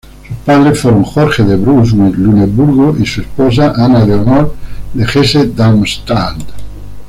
Sus padres fueron Jorge de Brunswick-Luneburgo y su esposa Ana Leonor de Hesse-Darmstadt.